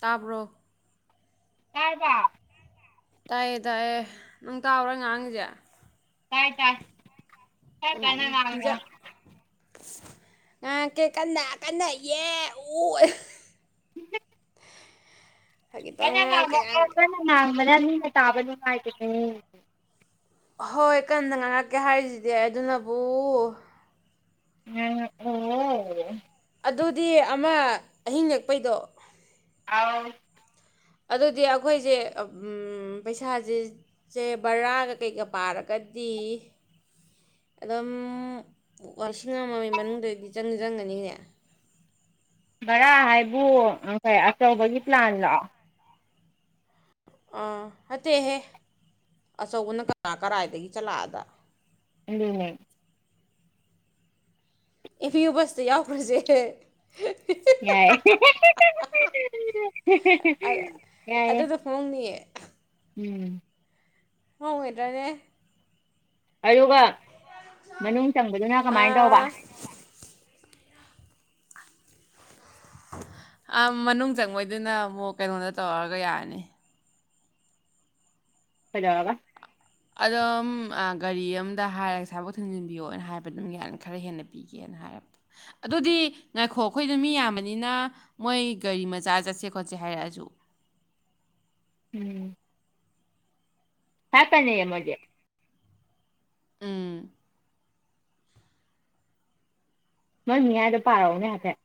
ꯇꯥꯕ꯭ꯔꯣ ꯇꯥꯔꯕ ꯇꯥꯏꯑꯦ ꯇꯥꯏꯌꯦ ꯅꯨꯡ ꯇꯥꯎꯔ ꯉꯥꯡꯏꯁꯦ ꯇꯥꯏ ꯇꯥꯏ ꯈꯔ ꯀꯟꯅ ꯎꯝ ꯍꯤꯟꯖꯥꯡ ꯉꯥꯡꯉꯛꯑꯣ ꯉꯥꯡꯉꯛꯀꯦ ꯀꯟꯅ ꯀꯟꯅ ꯌꯦ ꯑꯨ ꯑꯍ ꯐꯥꯒꯤ ꯇꯧꯅꯤ ꯀꯟꯅ ꯉꯥꯡꯉꯛꯀꯦ ꯉꯥꯡꯉꯑꯀꯦ ꯉꯥꯡꯉꯛꯀꯦ ꯀꯟꯅ ꯉꯥꯡ ꯃꯅ ꯃꯤꯅ ꯇꯥꯕ ꯅꯨꯡꯉꯥꯏꯕꯅꯦ ꯍꯣꯏ ꯀꯟꯅ ꯉꯥꯡꯉꯛꯀꯦ ꯍꯥꯏꯔꯤꯖꯤꯗꯤ ꯑꯗꯨꯅꯕꯨ ꯉꯥꯡꯉꯛ ꯑꯣ ꯑꯣ ꯑꯗꯨꯗꯤ ꯑꯃ ꯑꯍꯤꯡ ꯂꯦꯛꯄꯩꯗꯣ ꯑꯥꯎ ꯑꯗꯨꯗꯤ ꯑꯩꯈꯣꯏꯁꯦ ꯑ ꯎꯝ ꯄꯩꯁꯥꯁꯦ ꯁꯦ ꯕꯔꯥꯒ ꯀꯩꯀ ꯄꯥꯔꯒꯗꯤ ꯑꯗꯨꯝ ꯋꯁꯤꯡ ꯑꯃꯒꯤ ꯃꯅꯨꯡ ꯗꯗꯤ ꯆꯪꯗꯤ ꯆꯪꯒꯅꯤꯅꯦ ꯚꯔꯥ ꯍꯥꯏꯕꯨ ꯑꯆꯧꯕꯒꯤ ꯄ꯭ꯂꯥꯟ ꯂꯣ ꯑꯥ ꯅꯠꯇꯦꯍꯦ ꯑꯆꯧꯕꯅ ꯀꯅꯥ ꯀꯔꯥꯏꯗꯒꯤ ꯆꯠꯂ ꯑꯥꯗ ꯑꯗꯨꯅꯦ ꯏꯐꯤ ꯌꯨ ꯕꯁꯇ ꯌꯥꯎꯈ꯭ꯔꯖꯦ ꯌꯥꯏ ꯍꯦ ꯍꯦ ꯍꯦ ꯍꯦ ꯍꯦ ꯍꯦ ꯍꯦ ꯍꯦ ꯑꯗꯨꯅ ꯍꯦ ꯍꯣꯡꯅꯤꯌꯦ ꯌꯥꯏꯌꯦ ꯎꯝ ꯅꯣꯡ ꯍꯩꯗꯔꯛꯑꯦ ꯑꯌꯣꯒ ꯃꯅꯨꯡ ꯆꯪꯕꯗꯨꯅ ꯀꯃꯥꯏꯅ ꯇꯧꯕ ꯑ ꯃꯅꯨꯡ ꯆꯪꯕꯩꯗꯨꯅ ꯑꯃꯨꯛ ꯀꯩꯅꯣꯗ ꯇꯧꯔꯛꯒ ꯌꯥꯅꯤ ꯀꯩꯗꯧꯔꯕ ꯑꯗꯨꯝ ꯑ ꯒꯥꯔꯤ ꯑꯝꯗ ꯍꯥꯏꯔꯁꯦ ꯑꯁꯥꯏꯕꯧ ꯊꯤꯟꯖꯤꯟꯕꯤꯌꯣꯅ ꯍꯥꯏꯕ ꯑꯗꯨꯝ ꯌꯥ ꯈꯔ ꯍꯦꯟꯅ ꯄꯤꯒꯦꯅ ꯍꯥꯏꯔꯒ ꯑꯗꯨꯗꯤ ꯉꯥꯏꯈꯣ ꯑꯩꯈꯣꯏꯗ ꯃꯤ ꯌꯥꯝꯕꯅꯤꯅ ꯃꯣꯏ ꯒꯥꯔꯤ ꯃꯆꯥ ꯆꯠꯁꯦ ꯈꯣꯠꯁꯦ ꯍꯥꯏꯔꯛꯑꯁꯨ ꯎꯝ ꯍꯥꯏꯔꯛꯀꯅꯤꯌꯦ ꯃꯧꯏꯗꯤ ꯎꯝ ꯃꯣꯏ ꯃꯤꯌꯥꯥꯏꯗꯣ ꯄꯥꯔꯛꯎꯅꯦ ꯍꯥꯏꯐꯦꯠ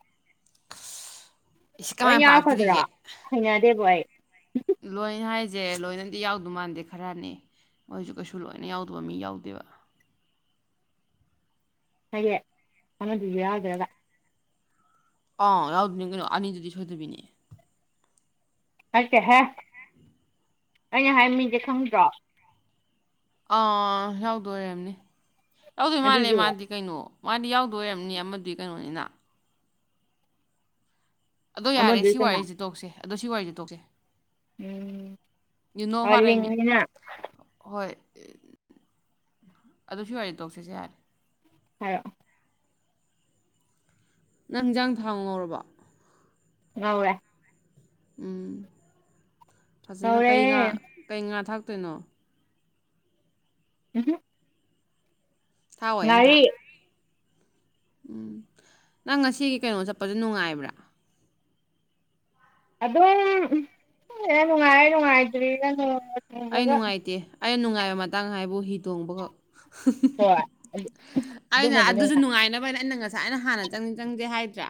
ꯏꯁ ꯂꯣꯏ ꯀꯃꯥꯏꯅ ꯌꯥꯎꯔꯛꯀꯗ꯭ꯔꯣ ꯄꯥꯔꯛꯇꯣꯔꯤꯒꯦ ꯍꯩꯅꯗꯦꯕꯣ ꯑꯩ ꯂꯣꯏꯅ ꯍꯥꯏꯁꯦ ꯂꯣꯏꯅꯗꯤ ꯌꯥꯎꯗꯨ ꯃꯥꯟꯗꯦ ꯈꯔꯅꯦ ꯃꯣꯏꯁꯨ ꯀꯩꯁꯨ ꯂꯣꯏꯅ ꯌꯥꯎꯗꯕ ꯃꯤ ꯌꯥꯎꯗꯦꯕ ꯐꯩꯌꯦ ꯑꯃꯗꯨ ꯌꯥꯎꯗ꯭ꯔꯒ ꯑ ꯌꯥꯎꯗꯨꯅꯤ ꯀꯩꯅꯣ ꯑꯅꯤꯗꯨꯗꯤ ꯁꯣꯏꯗꯕꯤꯅꯤ ꯅꯠꯇꯦ ꯍꯦ ꯑꯩꯅ ꯍꯥꯏ ꯃꯤꯁꯦ ꯈꯪꯗ꯭ꯔꯣ ꯑꯥ ꯌꯥꯎꯗꯣꯏ ꯑꯣꯏꯔꯝꯅꯤ ꯌꯥꯎꯗꯣꯏ ꯃꯥꯜꯂꯦ ꯑꯗꯨꯁꯨ ꯃꯥꯗꯤ ꯀꯩꯅꯣ ꯃꯥꯗꯤ ꯌꯥꯎꯗꯣꯏꯑꯣꯏꯔꯝꯅꯤ ꯑꯃꯗꯤ ꯀꯩꯅꯣꯅꯤꯅ ꯑꯗꯣ ꯌꯥꯔꯦ ꯁꯤ ꯑꯃꯗꯨꯁꯨꯅ ꯋꯥꯔꯤꯁꯤ ꯇꯣꯛꯁꯦ ꯑꯗꯣ ꯁꯤ ꯋꯥꯔꯤꯁꯦ ꯇꯣꯛꯁꯦ ꯌꯨ ꯅꯣ [unintelligible] ꯑꯗꯨ ꯁꯤ ꯋꯥꯔꯤ ꯇꯣꯛꯁꯤꯁꯦ ꯌꯥꯔꯦ ꯍꯥꯏꯔꯛꯑꯣ ꯅꯪ ꯏꯟꯖꯥꯡ ꯊꯥꯎ ꯉꯧꯔꯕꯣ ꯉꯧꯔꯦ ꯎꯝ ꯐꯖꯅ ꯉꯧꯔꯦ ꯀꯩ ꯉꯥ ꯀꯩ ꯉꯥ ꯊꯥꯛ ꯀꯩꯅꯣ ꯎꯝ ꯍꯨꯝ ꯊꯥꯛꯑꯣꯏ ꯑꯝꯇ ꯎꯝ ꯅꯪ ꯉꯁꯤꯒꯤ ꯀꯩꯅꯣ ꯆꯠꯄꯁꯦ ꯅꯨꯡꯉꯥꯏꯕ꯭ꯔꯥ ꯑꯗꯨꯝ ꯍ ꯈꯪꯗꯦꯗ ꯅꯨꯡꯉꯥꯏꯔ ꯅꯨꯡꯉꯥꯏꯇ꯭ꯔꯤꯔꯒ ꯑꯩ ꯅꯨꯡꯉꯥꯏꯇꯦ ꯑꯩꯅ ꯅꯨꯡꯉꯥꯏꯕ ꯃꯇꯥꯡ ꯍꯥꯏꯕꯨ ꯍꯤ ꯇꯣꯡꯕꯈꯛ ꯍꯣꯏ ꯑꯩꯅ ꯑꯗꯨꯃꯗꯤ ꯑꯗꯨꯁꯨ ꯅꯨꯡꯉꯥꯏ ꯅꯨꯡꯉꯥꯏꯅꯕ ꯍꯥꯏꯅ ꯑꯩꯅ ꯉ ꯉꯁꯥꯏꯅ ꯍꯥꯟꯅ ꯆꯪ ꯆꯪꯗꯦ ꯍꯥꯏꯗ꯭ꯔꯥ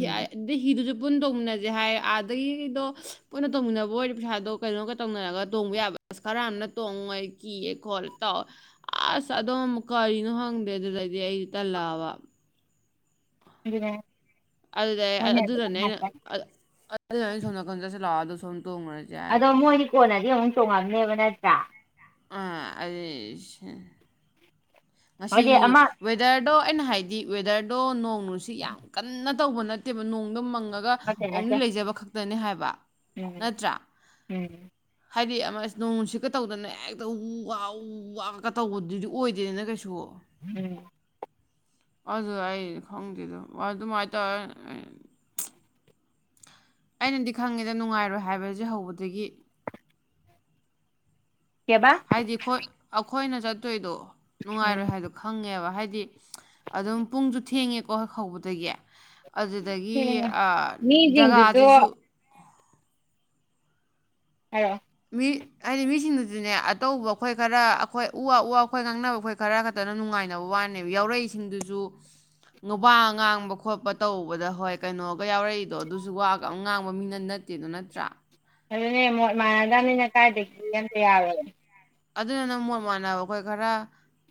ꯎꯝ [unintelligible] ꯍꯤꯗꯨꯁꯨ ꯄꯨꯟ ꯇꯣꯡꯃꯤꯟꯅꯁꯦ ꯍꯥꯏ ꯑꯥꯗꯒꯤꯗꯣ ꯄꯨꯟꯅ ꯇꯣꯡꯃꯤꯟꯅꯕ ꯑꯣꯏꯔꯗꯤ ꯄꯩꯁꯥꯗꯣ ꯀꯩꯅꯣꯒ ꯇꯧꯅꯔꯒ ꯇꯣꯡꯕ ꯌꯥꯕ ꯑꯁ ꯈꯔ ꯑꯃꯅ ꯇꯣꯡꯉꯣꯏ ꯀꯤꯌꯦ ꯈꯣꯠꯂꯦ ꯇꯧꯋ ꯑꯁ ꯑꯗꯨꯝ ꯀꯔꯤꯅꯣ ꯈꯪꯗꯦ ꯑꯗꯨꯗꯩꯩꯗꯤ ꯑꯩ ꯇꯜꯂꯛꯑꯕ ꯑꯗꯨꯅꯦ ꯑꯗꯨꯗꯩꯩ ꯃꯣꯏꯅ ꯑꯗꯨꯝ ꯑꯗꯨꯅꯅꯦ ꯑꯩꯅ ꯍꯥꯏꯕ ꯑꯗꯨꯗ ꯑꯩꯅ ꯁꯣꯝ ꯅꯥꯀꯟ ꯆꯠꯁꯤ ꯂꯥꯎ ꯍꯥꯏꯗꯣ ꯊꯨꯡ ꯑꯗꯣ ꯃꯣꯏꯗꯤ ꯀꯣꯟꯅꯗꯤ ꯑꯃꯨꯛ ꯇꯣꯡꯉꯝꯅꯤꯕ ꯅ ꯅꯠꯇꯔꯥ ꯑ ꯑꯗꯨ ꯍꯣꯏꯗꯤ ꯉꯁꯤꯒꯤ ꯑꯃ ꯋꯦꯗꯔꯗꯣ ꯑꯩꯅ ꯍꯥꯏꯗꯤ ꯋꯦꯗꯔꯗꯣ ꯅꯣꯡ ꯁꯤ ꯌꯥꯝ ꯀꯟꯅ ꯇꯧꯕ ꯅꯠꯇꯦꯕ ꯅꯣꯡꯗꯪ ꯃꯪ ꯒ ꯅꯠꯇꯦ ꯑꯣꯡꯂꯤ ꯅꯠꯇꯦ ꯂꯩꯖꯕ ꯈꯛ ꯗꯅꯤ ꯍꯥꯏꯕ ꯎꯝ ꯅꯠꯇ꯭ꯔꯥ ꯎꯝ ꯍꯥꯏꯗꯤ ꯑꯃ ꯅꯣꯡꯅꯨꯡꯁꯤꯠꯀ ꯇꯧꯗꯅ ꯑꯦꯛꯇ ꯎ ꯋꯥ ꯎ ꯋꯥꯀ ꯇꯧꯕꯗꯨꯗꯤ ꯑꯣꯏꯗꯦ ꯗꯦꯅ ꯀꯩꯁꯨ ꯎꯝ ꯑꯗꯨꯗꯣ ꯑꯩ ꯈꯪꯗꯦꯗꯥ ꯑꯗꯨꯃꯥꯏꯅ ꯇꯧꯔ ꯑꯩꯅꯗꯤ ꯈꯪꯉꯦꯗ ꯅꯨꯡꯉꯥꯏꯔꯣꯏ ꯍꯥꯏꯕꯁꯦ ꯍꯧꯕꯗꯒꯤ ꯀꯩꯕꯥ ꯍꯥꯏꯗꯤꯈꯣꯏ ꯑꯩꯈꯣ ꯑꯩꯈꯣꯏꯅ ꯆꯠꯇꯣꯏꯗꯣ ꯎꯝ ꯅꯨꯡꯉꯥꯏꯔꯣꯏ ꯍꯥꯏꯗꯣ ꯈꯪꯉꯦꯕ ꯍꯥꯏꯗꯤ ꯍꯥꯏꯗꯤ ꯑꯗꯨꯝ ꯄꯨꯡꯁꯨ ꯊꯦꯡꯉꯦꯀꯣ ꯍꯦꯛ ꯍꯧꯕꯗꯒꯤ ꯑꯗꯨꯗꯒꯤ ꯊꯦꯡꯉꯦ ꯃꯤꯁꯤꯡꯗꯨꯁꯨ ꯖꯒꯥꯁꯤꯁꯨ ꯍꯥꯏꯔꯛ ꯑꯣ ꯃꯤ ꯍꯥꯏꯗꯤ ꯃꯤꯁꯤꯡꯗꯨꯁꯨꯅꯦ ꯑꯇꯧꯕ ꯑꯩꯈꯣꯏ ꯈꯔ ꯑꯩꯈꯣꯏ ꯎ ꯋꯥ ꯎ ꯋꯥ ꯑꯩꯈꯣꯏ ꯉꯥꯡꯅꯕ ꯑꯩꯈꯣꯏ ꯈꯔ ꯈꯛꯇꯅ ꯅꯨꯡꯉꯥꯏꯅꯕ ꯋꯥꯅꯦꯕ ꯌꯥꯎꯔꯛꯏꯁꯤꯡꯗꯨꯁꯨ ꯋꯥ ꯉꯥꯡꯕ ꯈꯣꯠꯄ ꯇꯧꯕꯗ ꯍꯣꯏ ꯀꯩꯅꯣꯒ ꯌꯥꯎꯔꯛꯏꯗꯣ ꯑꯗꯨꯁꯨ ꯋꯥꯒ ꯑꯝ ꯉꯥꯡꯕ ꯃꯤꯅ ꯅꯠꯇꯦꯗ ꯅꯠꯇ꯭ꯔꯥ ꯑꯗꯨꯅꯦ ꯃꯣꯠ ꯃꯥꯟꯅꯗꯕꯅꯤꯅ ꯀꯥꯏꯗꯒꯤ ꯑꯝꯇ ꯌꯥꯔꯣꯏ ꯑꯗꯨꯗꯨꯅ ꯃꯣꯠ ꯃꯥꯟꯅꯕ ꯑꯩꯈꯣꯏ ꯈꯔ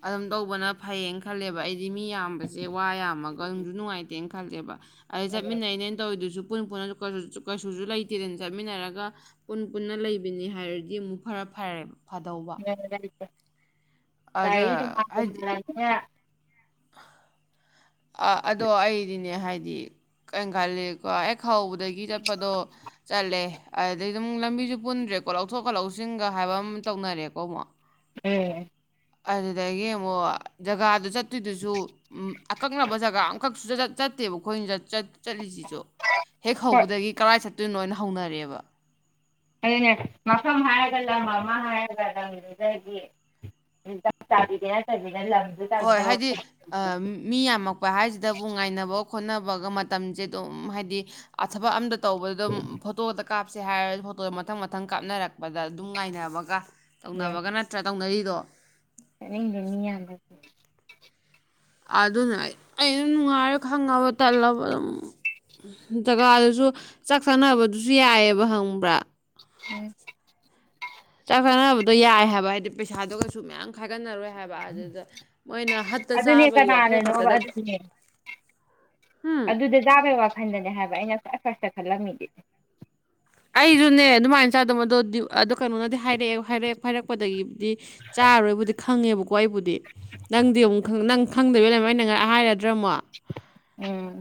ꯑꯗꯨꯝ ꯇꯧꯕꯅ ꯐꯩꯌꯦꯅ ꯈꯜꯂꯦꯕ ꯑꯩꯗꯤ ꯃꯤ ꯌꯥꯝꯕꯁꯦ ꯋꯥ ꯌꯥꯝꯃꯒ ꯅꯨꯡꯁꯨ ꯅꯨꯡꯉꯥꯏ ꯇꯦꯅ ꯈꯜꯂꯦꯕ ꯑꯩ ꯆꯠꯃꯤꯟꯅꯩꯅꯦꯅ ꯇꯧꯔꯤꯗꯨꯁꯨ ꯄꯨꯟ ꯄꯨꯟꯅ ꯀꯩꯁꯨ ꯂꯩꯇꯦꯗꯅ ꯆꯠꯃꯤꯟꯅꯔꯒ ꯄꯨꯟꯅ ꯄꯨꯟꯅ ꯂꯩꯕꯅꯤ ꯍꯥꯏꯔꯗꯤ ꯑꯃꯨꯛ ꯐꯔ ꯐꯔꯦꯕ [unintelligible] [unintelligible] ꯑ ꯑꯗꯣ ꯑꯩꯗꯤꯅꯦ ꯍꯥꯏꯗꯤ ꯀꯩ ꯈꯜꯂꯀꯣ ꯍꯦꯛ ꯍꯧꯕꯗꯒꯤ ꯆꯠꯄ ꯄꯗꯣ ꯆꯠꯂꯦ ꯑ ꯑꯗꯩ ꯑꯗꯨꯝ ꯂꯝꯕꯤꯁꯨ ꯄꯨꯟꯗ꯭ꯔꯦꯀꯣ ꯂꯧꯊꯣꯛꯀ ꯂꯧꯁꯤꯟꯒ ꯍꯥꯏꯕ ꯑꯃ ꯇꯧꯅꯔꯦꯀꯣ ꯑꯃꯨꯛ ꯍꯦ ꯑꯗꯨꯗꯒꯤ ꯑꯃꯨꯛ ꯖꯒꯥꯗꯨ ꯆꯠ ꯑꯗꯨꯗꯨꯁꯨ ꯑꯀꯛꯅꯕ ꯖꯒꯥ ꯑꯃꯈꯛ ꯁꯨꯛꯆꯠ ꯆꯠꯇꯦꯕ ꯑꯩꯈꯣꯏꯅ ꯆꯠꯂꯤꯁꯤ ꯍꯦꯛ ꯍꯣꯏ ꯍꯧꯕꯗꯒꯤ ꯀꯔꯥꯏ ꯆꯠ ꯇꯨꯟ ꯑꯣꯏꯅ ꯍꯧꯅꯔꯦꯕ ꯑꯗꯨꯅꯦ ꯃꯐꯝ ꯍꯥꯏꯔꯒ ꯂꯝ ꯑꯃ ꯍꯥꯏꯔꯒ ꯂꯝꯗꯨꯗꯒꯤ ꯆꯞ ꯆꯥꯕꯤꯗꯣ ꯅꯠꯇꯕꯤ ꯍꯣꯏ ꯍꯥꯏꯗꯤ ꯃꯤ ꯌꯥꯝꯃꯛꯄ ꯍꯥꯏꯁꯤꯗꯕꯨ ꯉꯥꯏꯅꯕꯒ ꯈꯣꯠꯅꯕ ꯕꯒ ꯃꯇꯝꯁꯦ ꯑꯗꯨꯝ ꯍꯥꯏꯗꯤ ꯑꯊꯕꯛ ꯑꯝꯇ ꯇꯧꯕꯗ ꯐꯣꯇꯣꯗ ꯀꯥꯞꯁꯦ ꯍꯥꯏꯔꯒ ꯐꯣꯇꯣꯗꯣ ꯃꯊꯪ ꯃꯊꯪ ꯀꯥꯞꯅꯔꯛꯄꯗ ꯑꯗꯨꯝ ꯉꯥꯏꯅꯕꯒ ꯆꯠꯅꯤꯡꯕ ꯇꯧꯅꯕꯒ ꯅꯠꯇ꯭ꯔꯥ ꯇꯧꯅꯔꯤ ꯗꯣ [inaudible] ꯑꯗꯨꯅ ꯑꯩꯅ ꯅꯨꯡꯉꯥꯏꯔ ꯈꯪꯉꯕ ꯇꯜꯂꯕ ꯑꯗꯨꯝ ꯖꯒꯥꯗꯨꯁꯨ ꯆꯥꯛ ꯆꯥꯅꯕꯗꯨꯁꯨ ꯌꯥꯏꯑꯕ ꯈꯪꯕ꯭ꯔꯥ ꯎꯝ ꯆꯥꯛꯆꯅꯕꯗꯣ ꯌꯥꯏ ꯍꯥꯏꯕ ꯍꯥꯏꯗꯤ ꯄꯩꯁꯥꯗꯨꯒꯁꯨ ꯃꯌꯥꯝ ꯈꯥꯏꯒꯠꯅꯔꯣꯏ ꯍꯥꯏꯕ ꯑꯗꯨꯗ ꯃꯣꯏꯅ ꯍꯠꯇ ꯑꯗꯨꯅꯦ ꯆꯥꯕꯒꯤ ꯋꯥꯈꯜ ꯀꯅꯥꯅꯅꯣꯕ ꯈꯛꯇꯗ ꯑꯗꯨꯅꯦ ꯎꯝ ꯑꯗꯨꯗ ꯇꯥꯕ ꯋꯥꯛ ꯈꯟꯊꯅꯦ ꯍꯥꯏꯕ ꯑꯩꯅ ꯈ꯭ꯋꯥꯏ ꯐꯥꯔꯁꯇ ꯈꯜꯂꯝꯃꯤꯗꯨꯗꯤ ꯑꯩꯁꯨꯅꯦ ꯑꯗꯨꯃꯥꯏꯅ ꯆꯥꯗꯕ ꯑꯗꯣ ꯀꯩꯅꯣꯅꯗꯤ ꯍꯥꯏꯔꯛꯑꯦ ꯍꯥꯏꯔꯦ ꯐꯔꯛꯄꯗꯒꯤ ꯗꯤ ꯆꯥꯔꯣꯏꯕꯨꯗꯤ ꯈꯪꯉꯦꯕꯀꯣ ꯑꯩꯕꯨꯗꯤ ꯅꯪꯗꯤ ꯑꯃꯨꯛ ꯅꯪ ꯈꯪꯗꯕꯩ ꯑꯗꯨꯃ ꯑꯩꯅ ꯍꯥꯏꯔꯗꯤ ꯗ꯭ꯔꯃꯥ ꯎꯝ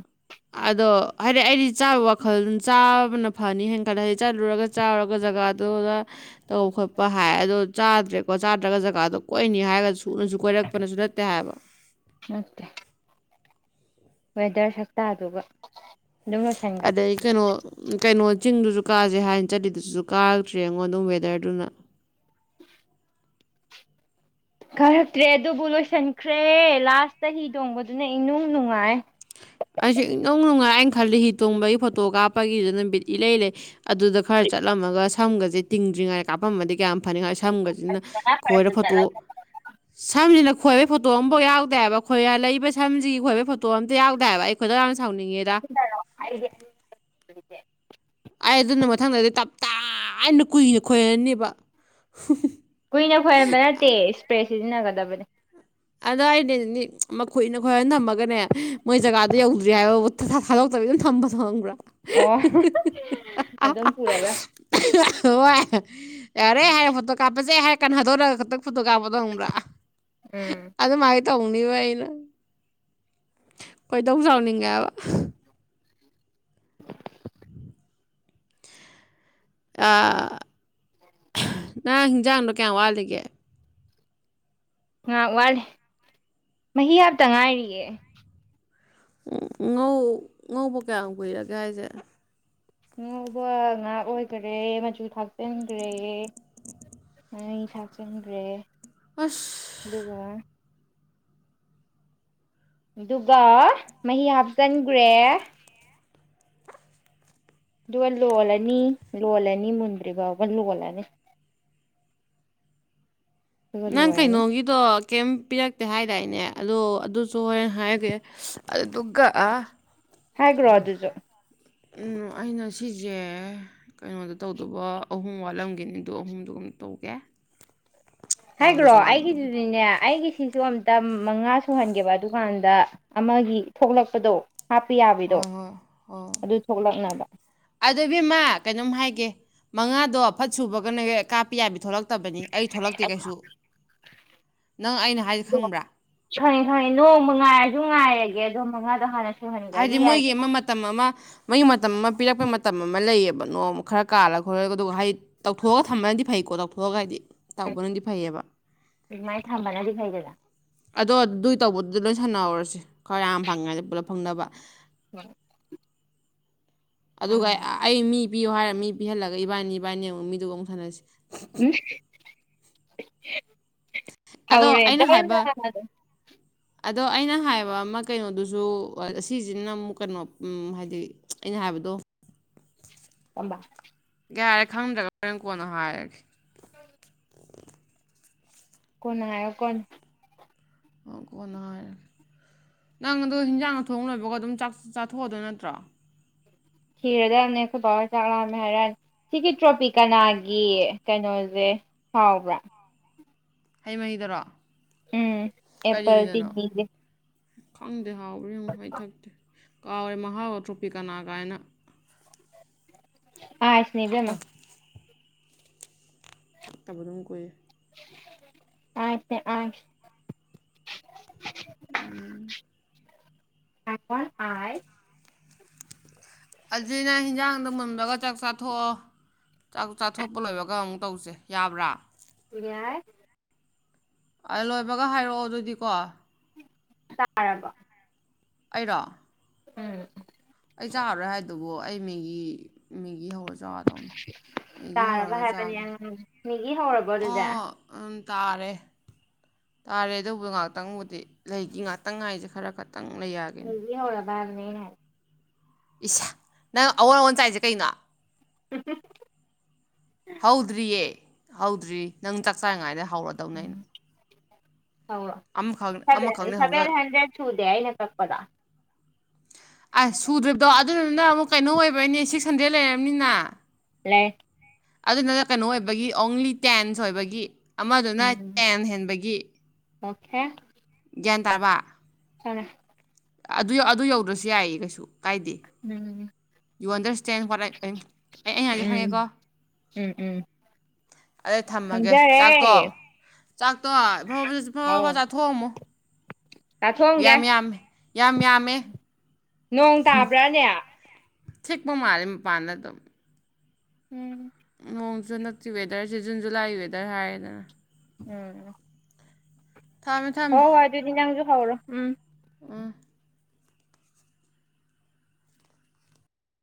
ꯑꯗꯣ ꯍꯥꯏꯗꯤ ꯑꯩꯗꯤ ꯆꯥꯕ ꯋꯥꯈꯜ ꯆꯥꯕꯅ ꯐꯅꯤ ꯀꯅꯥꯩ ꯆꯠꯂꯨꯔꯒ ꯆ ꯆꯥꯎꯔꯒ ꯖꯒꯥꯗꯨꯗ ꯇꯧꯕ ꯈꯣꯠꯄ ꯍꯥꯏ ꯑꯗꯣ ꯆꯥꯗ꯭ꯔꯦꯀꯣ ꯆꯥꯗ꯭ꯔꯒ ꯖꯒꯥꯗꯣ ꯀꯣꯏꯅꯤ ꯍꯥꯏꯔꯒꯁꯨ ꯁꯨꯅꯁꯨ ꯀꯣꯏꯔꯛꯄꯅꯁꯨ ꯅꯠꯇꯦ ꯍꯥꯏꯕ ꯅꯠꯇꯦ ꯋꯦꯗꯔ ꯁꯛꯛꯇꯗꯨꯒ ꯑꯗꯩ ꯀꯩꯅꯣ ꯀꯩꯅꯣ ꯆꯤꯡꯗꯨꯁꯨ ꯀꯥꯁꯦ ꯍꯥꯏꯅ ꯆꯠꯂꯤꯗꯨꯗꯨꯁꯨ ꯀꯥꯔꯛꯇ꯭ꯔꯦ ꯑꯩꯉꯣꯟꯗꯝ ꯋꯦꯗꯔꯗꯨꯅ [inaudible] ꯈꯔꯛꯇ꯭ꯔꯦ ꯑꯗꯨꯕꯨ ꯂꯣꯏꯁꯤꯟꯈ꯭ꯔꯦ ꯂꯥꯁꯇ ꯍꯤ ꯇꯣꯡꯕꯗꯨꯅ ꯏꯅꯨꯡ ꯅꯨꯡꯉꯥꯏ ꯑꯩꯁꯨꯦ ꯏꯅꯨꯡ ꯅꯨꯡꯉꯥꯏ ꯑꯩꯅ ꯈꯜꯂꯤ ꯍꯤ ꯇꯣꯡꯕꯒꯤ ꯐꯣꯇꯣ ꯀꯥꯞꯄꯒꯤꯗ ꯅꯨꯃꯤꯠ ꯏꯂꯩ ꯂꯩ ꯑꯗꯨꯗ ꯈꯔ ꯆꯠꯂꯝꯃꯒ ꯁꯝꯒꯁꯦ ꯇꯤꯡꯗ꯭ꯔꯤꯉꯩ ꯀꯥꯄꯃꯗꯤ ꯀꯌꯥꯝ ꯐꯅꯤꯉꯥꯏ ꯁꯝꯒꯁꯤꯅ ꯈꯣꯏꯔ ꯐꯣꯇꯣ ꯁꯝꯁꯤꯅ ꯈꯣꯏꯕ ꯐꯣꯇꯣ ꯑꯝꯐꯥꯎ ꯌꯥꯎꯗꯦꯕ ꯈꯣꯏ ꯂꯩꯕ ꯁꯝꯁꯤꯒꯤ ꯈꯣꯏꯕ ꯐꯣꯇꯣ ꯑꯝ ꯌꯥꯎꯗꯦ ꯍꯥꯏꯕ ꯑꯩꯈꯣꯏꯗ ꯁꯥꯎꯅꯤꯡꯉꯗ ꯑꯩ ꯑꯗꯨꯅ ꯃꯊꯪꯗꯗꯤ ꯇꯞ ꯇꯥꯅ ꯀꯨꯏꯅ ꯈꯣꯏꯔꯅꯦꯕ ꯁꯤꯖꯤꯅꯒꯗꯕꯅꯤ ꯑꯗ ꯑꯩꯅꯦ ꯃꯈꯨꯏꯅ ꯈꯣꯏꯔ ꯊꯝꯃꯒꯅꯦ ꯃꯣꯏ ꯖꯒꯥꯗ ꯌꯧꯗ꯭ꯔꯤ ꯍꯥꯏꯕ ꯥ ꯊꯥꯗꯣꯛꯇ꯭ꯔ ꯑꯗꯨ ꯊꯝꯕꯁꯨ ꯍꯪꯕ꯭ꯔꯥ ꯑꯣ ꯍꯦ ꯍꯦ ꯍꯦ ꯑꯗꯨꯝ ꯄꯨꯔꯒ ꯍꯣꯏ ꯀꯟꯅ ꯀꯟ ꯐꯨꯠꯇꯣ ꯀꯥꯕꯗꯣ ꯈꯥꯪꯕ꯭ꯔꯥ ꯎꯝ ꯑꯩꯚꯥꯏ ꯇꯎꯅꯤꯕ ꯑꯩꯅ [unintelligible] ꯀꯩꯗꯧ ꯆꯥꯎꯥꯎꯅꯤꯡꯉꯕ ꯑꯥ ꯍꯥ ꯅꯪ ꯍꯤꯟꯖꯥꯡꯗꯣ ꯀꯌꯥꯝ ꯋꯥꯠꯂꯤꯒꯦ ꯉꯍꯥꯛ ꯋꯥꯠꯂꯤ ꯃꯍꯤ ꯍꯥꯞꯇ ꯉꯥꯏꯔꯤꯌꯦ ꯎꯝ ꯉꯧ ꯉꯧꯕ ꯀꯌꯥꯝ ꯀꯨꯏꯔꯒꯦ ꯍꯥꯏꯁꯦ ꯑꯉꯧꯕ ꯉꯥꯛ ꯑꯣꯏꯒꯔꯦ ꯃꯆꯨ ꯊꯥꯛꯆꯤꯟꯒ꯭ꯔꯦ ꯉꯥꯔꯤ ꯊꯥꯛꯆꯟꯒ꯭꯭ꯔꯦ ꯑꯁ ꯑꯗꯨꯗꯨꯒ ꯑꯗꯨꯒ ꯃꯍꯤ ꯍꯥꯞꯆꯟꯒ꯭ꯔꯦ ꯑꯗꯨꯒ ꯂꯣꯜꯂꯅꯤ ꯂꯣꯜꯂꯅꯤ ꯃꯨꯟꯗ꯭ꯔꯤꯐꯥꯎꯕ ꯂꯣꯜꯂꯅꯤ ꯑꯗꯨꯒ ꯅꯪ ꯂꯣꯏꯔꯅꯤ ꯀꯩꯅꯩꯅꯣꯒꯤꯗꯣ ꯀꯩꯝ ꯄꯤꯔꯛꯇꯦ ꯍꯥꯏꯗꯥꯏꯅꯦ ꯑꯗꯣ ꯑꯗꯨꯁꯨ ꯍꯣꯔꯦꯟ ꯍꯥꯏꯔꯒꯦ ꯑꯗꯨꯒ ꯍꯥꯏꯒ꯭ꯔꯣ ꯑꯗꯨꯁꯨ ꯎꯝ ꯑꯩꯅ ꯁꯤꯁꯦ ꯀꯩꯅꯣꯗ ꯇꯧꯗꯧꯕ ꯑꯍꯨꯝ ꯋꯥꯠꯂꯝꯒꯤꯅꯤ ꯑꯗꯨ ꯑꯍꯨꯝꯗꯨꯒ ꯇꯧꯒꯦ ꯍꯥꯏꯈ꯭ꯔꯣ ꯅꯉꯣꯟꯗꯁꯨ ꯋꯥꯠꯂꯤꯗꯨꯕꯨꯗꯤ ꯑꯩꯒꯤꯗꯨꯗꯤꯅꯦ ꯑꯩꯒꯤ ꯁꯤꯁꯨ ꯑꯝ ꯇꯝ ꯃꯉꯥ ꯁꯨꯍꯟꯒꯦꯕ ꯑꯗꯨꯀꯥꯟꯗ ꯑꯃꯒꯤ ꯊꯣꯛꯂꯛꯄꯗꯣ ꯍꯥꯞꯄ ꯌꯥꯕꯤꯗꯣ ꯍꯣꯏ ꯍꯣꯏ ꯍꯣꯏ ꯑꯗꯨ ꯊꯣꯛꯂꯛꯅꯕ ꯑꯗꯨꯏꯕꯦꯝꯃ ꯀꯩꯅꯣꯝ ꯍꯥꯏꯒꯦ ꯃꯉꯥꯗꯣ ꯑ ꯐꯠ ꯁꯨꯕꯒꯅ ꯀꯥꯞꯄ ꯌꯥꯕ ꯊꯣꯛꯂꯛ ꯅꯪ ꯑꯩꯅ ꯍꯥꯏꯁꯦ ꯈꯪꯕ꯭ꯔꯥ [inaudible] ꯁꯅꯤ ꯁꯅꯤ ꯅꯣꯡꯃ ꯉꯥꯏꯔꯁꯨ ꯉꯥꯏꯔꯒꯦ ꯑꯗꯨꯝ [unintelligible] ꯍꯥꯏꯗꯤ ꯃꯣꯏꯒꯤ ꯑꯃ ꯃꯇꯝ ꯑꯃ ꯃꯣꯏꯒꯤ ꯃꯇꯝ ꯑꯃ ꯄꯤꯔꯛꯄꯩ ꯃꯇꯝ ꯑꯃ ꯂꯩꯌꯦ ꯅꯣꯡꯃ ꯈꯔ ꯀꯥꯜꯂꯒ ꯈꯣꯏꯂꯒ ꯑꯗꯨꯒ ꯍꯩꯠ ꯇꯧꯊꯣꯛꯒ ꯊꯝꯕꯅꯗꯤ ꯐꯩꯀꯦ ꯇꯧ [unintelligible] ꯑꯗꯨꯃꯥꯏ ꯊꯝꯕꯅꯗꯤ ꯐꯩꯗꯅ ꯑꯗꯣ ꯑꯗꯨꯏ ꯇꯧꯕꯗꯨꯗꯤ ꯂꯣꯏ ꯁꯥꯟꯅꯍꯧꯔꯁꯤ ꯈꯔ ꯌꯥꯝ ꯐꯪꯉꯗ ꯄꯨꯂꯞ ꯐꯪꯅꯕ ꯥ [inaudible] ꯑꯗꯨꯒ ꯑꯩ ꯃꯤ ꯄꯤꯌꯨ ꯍꯥꯏꯔ ꯃꯤ ꯄꯤꯍꯜꯂꯒ ꯏꯕꯥꯅꯤ ꯏꯕꯥꯅꯤ ꯑꯃꯨꯛ ꯃꯤꯗꯨꯒ ꯑꯃꯨꯛ ꯊꯟꯅꯅꯁꯤ ꯎꯝ ꯍꯦ ꯑꯗꯣ ꯍꯧꯔꯦ ꯑꯩꯅ ꯍꯥꯏꯕ [unintelligible] ꯑꯗꯣ ꯑꯩꯅ ꯍꯥꯏꯕ ꯑꯃ ꯀꯩꯅꯣꯗꯨꯁꯨ ꯁꯤꯁꯤꯅ ꯑꯃꯨꯛ ꯀꯩꯅꯣ ꯍꯥꯏꯗꯤ ꯑꯩꯅ ꯍꯥꯏꯕꯗꯣ ꯑꯝꯕ ꯌꯥꯔꯦ ꯈꯪꯗ꯭ꯔꯒ ꯍꯣꯔꯦꯟ ꯀꯣꯟꯅ ꯍꯥꯏꯔꯒꯦ ꯀꯣꯅ ꯍꯥꯏꯑꯣ ꯀꯣꯅ ꯑꯣ ꯀꯣꯟꯅ ꯍꯥꯏꯔꯣ ꯅꯪ ꯑꯗꯣ ꯍꯤꯟꯖꯥꯡꯅ ꯑꯊꯣꯡ ꯂꯣꯏꯕꯒ ꯑꯗꯨꯝ ꯆꯥꯛ ꯆꯥꯊꯣꯛꯑꯗꯣꯏ ꯅꯠꯇ꯭ꯔꯣ ꯊꯤꯔꯗꯕꯅꯦ ꯑꯩꯈꯣꯏꯕꯥꯎ ꯍꯣꯏ ꯆꯥꯛ ꯂꯥꯝꯃꯦ ꯍꯥꯏꯔꯛꯑꯅꯤ ꯁꯤꯒꯤ ꯇ꯭ꯔꯣꯐꯤ ꯀꯅꯥꯒꯤ ꯀꯩꯅꯣꯁꯦ ꯍꯥꯎꯕ꯭ꯔꯥ ꯍꯩ ꯃꯍꯤꯗꯔꯣ ꯎꯝ ꯑꯦꯞꯄꯜ [inaudible] ꯁꯦ ꯈꯪ ꯍꯥꯎꯕ꯭ꯔꯥ ꯌꯦꯡꯉꯣ ꯑꯩ ꯊꯛꯇꯦ ꯀꯥꯎꯔꯦ ꯃꯍꯥꯎꯒ ꯇ꯭ꯔꯣꯄꯤꯀꯅꯥ ꯀꯥꯏꯅ ꯑꯥꯏꯁꯅꯦ ꯊꯛꯇ ꯏꯕꯦꯝꯃ ꯊꯛꯇꯕ ꯑꯗꯨꯝ ꯀꯨꯏꯔꯦ ꯑꯥꯏꯁ ꯅꯦ ꯑꯥꯏꯁ ꯎꯝ [unintelligible] ꯑꯁꯤ ꯅꯪ ꯍꯤꯟꯖꯥꯡꯗꯣ ꯃꯨꯟꯕꯒ ꯆꯥꯛ ꯆꯥꯊꯣꯛꯑꯣ ꯆꯥꯛ ꯆꯥꯊꯣꯛꯄ ꯂꯣꯏꯕꯒ ꯑꯃꯨꯛ ꯇꯧꯁꯦ ꯌꯥꯕ꯭ꯔꯥ ꯌꯥꯏ ꯂꯣꯏꯕꯒ ꯍꯥꯏꯔꯛꯑꯣ ꯑꯗꯨꯗꯤꯀꯣ ꯇꯥꯔꯕꯣ ꯑꯩꯔꯣ ꯎꯝ ꯑꯩ ꯆꯥꯔꯔꯣꯏ ꯍꯥꯏꯗꯨꯕꯨ ꯑꯩ ꯃꯦꯒꯤ ꯃꯦꯒꯤ ꯍꯧꯔꯁ ꯆꯥꯗꯧꯅꯦ ꯃꯦꯒꯤ ꯇꯥꯔꯕ ꯍꯧꯔꯒ ꯆꯥꯒꯦ ꯍꯥꯏꯕꯅꯦ ꯃꯦꯒꯤ ꯍꯧꯔꯕꯣ ꯑꯗꯨꯗꯤ ꯑꯣ ꯎꯝ ꯇꯥꯔꯦ ꯇꯥꯔꯦ ꯑꯗꯨꯕꯨ ꯉꯥꯏꯍꯥꯛꯇꯪꯕꯨꯗꯤ ꯂꯩꯗꯤ ꯉꯥꯛꯇꯪ ꯉꯥꯏꯁꯦ ꯈꯔ ꯈꯠ ꯇꯪ ꯂꯩ ꯌꯥꯒꯤꯅꯤ ꯅꯅꯦ ꯏꯁ ꯅꯪ ꯑꯑꯣꯟ ꯑꯑꯣꯟ ꯆꯥꯏꯁꯦ ꯀꯩꯅꯣ ꯍꯧꯗꯔꯤꯑꯦ ꯍꯧꯗ꯭ꯔꯤ ꯅꯪ ꯆꯥꯛꯆꯥꯏꯉꯥꯏꯗ ꯍꯧꯔꯗꯧꯅꯦ ꯑꯩꯅ ꯎꯝ ꯍꯧꯔꯣ ꯑꯃꯈꯛ ꯁꯕꯦ ꯑꯃꯈꯛꯅꯦ ꯁꯕꯦꯟ ꯍꯧꯔꯒ ꯍꯟꯗ꯭ꯔꯦꯠ ꯁꯨꯗꯦ ꯑꯩꯅ ꯀꯛꯄꯗ ꯑꯁ ꯁꯨꯗ꯭ꯔꯤꯕꯗꯣ ꯑꯗꯨꯗꯨꯅ ꯑꯃꯨꯛ ꯀꯩꯅꯣ ꯑꯣꯏꯕꯅꯤ ꯁꯤꯛꯁ ꯍꯟꯗ꯭ꯔꯦꯗ ꯂꯩꯔꯝꯅꯤꯅ ꯂꯦ ꯑꯗꯨꯗꯨꯅ ꯀꯩꯅꯣ ꯑꯣꯏꯕꯒꯤ ꯑꯣꯡꯂꯤ ꯇꯦꯟꯁ ꯑꯣꯏꯕꯒꯤ ꯑꯃꯗꯨꯅ ꯎꯝ ꯇꯦꯟ ꯍꯦꯟꯕꯒꯤ ꯑꯣꯀꯦ ꯒ꯭ꯌꯥꯟ ꯇꯥꯔꯕ ꯇꯥꯔꯦ ꯑꯗꯨ ꯑꯗꯨ ꯌꯧꯗ꯭ꯔꯁꯨ ꯌꯥꯏꯌꯦ ꯀꯩꯁꯨ ꯀꯥꯏꯗꯦ ꯎꯝ ꯌꯨ ꯑꯟꯗꯔꯏꯁꯇꯦꯟ ꯋꯥꯠ ꯑꯩ ꯑꯩꯅ ꯍꯥꯏꯁꯦ ꯎꯝ ꯈꯪꯉꯦꯀꯣ ꯎꯝ ꯎꯝ ꯑꯗꯣ ꯊꯝꯃꯒꯦ ꯆꯥꯛꯇꯣ ꯈꯪꯖꯔꯦ ꯆꯥꯛ ꯇꯣ ꯐꯕꯐꯕ ꯐꯠꯐꯠ ꯆꯥꯊꯣꯡꯑꯝꯃꯣ ꯆꯥꯊꯣꯛꯑꯒꯦ ꯌꯥꯝ ꯌꯥꯝꯃꯦ ꯅꯣꯡ ꯇꯥꯕ꯭ꯔꯥꯅꯦ ꯆꯤꯛꯄ ꯃꯥꯜꯂꯦ ꯃꯄꯥꯟꯗ ꯑꯗꯨꯝ ꯎꯝ ꯅꯣꯡꯁꯨ ꯍꯟꯗꯛꯇꯤ ꯋꯦꯗꯔꯁꯦ ꯖꯨꯟ ꯖꯨꯂꯥꯏ ꯋꯦꯗꯔ ꯍꯥꯏꯔꯦꯗꯅ ꯎꯝ ꯊꯝꯃꯦ ꯊꯝꯃꯦ ꯍꯣ ꯍꯣꯏ ꯑꯗꯨꯗꯤ ꯅꯪꯁꯨ ꯍꯧꯔꯣ ꯎꯝ [inaudible]